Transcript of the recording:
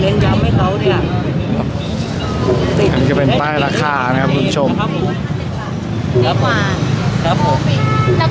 นี่ก็จะเป็น